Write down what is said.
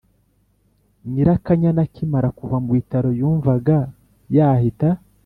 Nyirakanyana akimara kuva mu bitaro yumvaga yahita